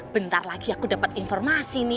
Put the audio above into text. bentar lagi aku dapat informasi nih